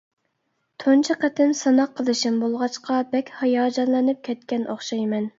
تۇنجى قېتىم سىناق قىلىشىم بولغاچقا، بەك ھاياجانلىنىپ كەتكەن ئوخشايمەن.